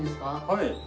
はい。